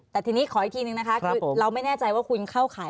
แต่ทีนี้ขออีกทีนึงนะคะคือเราไม่แน่ใจว่าคุณเข้าขาย